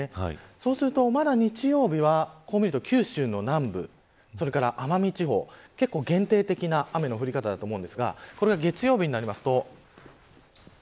そうすると、まだ日曜日はこう見ると、九州の南部それから奄美地方、結構限定的な雨の降り方だと思います。